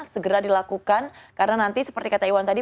segera dilakukan karena nanti seperti kata iwan tadi